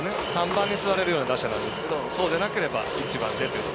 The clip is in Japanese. ３番に座れるような打者なんですがそうでなければ１番でという。